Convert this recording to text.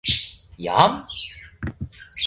Jam?